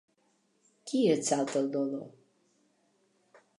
Qui exalta el dolor?